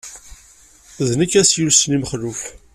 D nekk ay as-yulsen i Mexluf.